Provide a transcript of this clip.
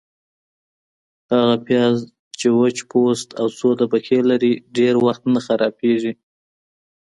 - هغه پیاز چي وچ پوست او څو طبقې لري، ډېر وخت نه خرابیږي.